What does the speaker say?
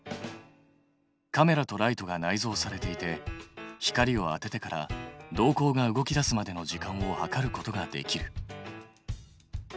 カメラとライトが内蔵されていて光を当ててから瞳孔が動き出すまでの時間を計ることができる。